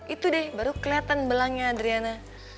itu deh baru kelihatan belangnya adriana